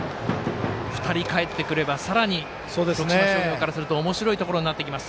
２人かえってくればさらに徳島商業からするとおもしろいことになってきます。